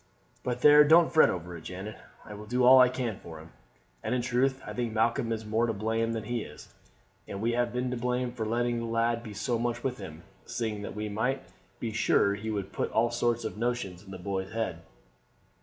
But there, don't fret over it, Janet. I will do all I can for him. And in truth I think Malcolm is more to blame than he is; and we have been to blame too for letting the lad be so much with him, seeing that we might be sure he would put all sorts of notions in the boy's head."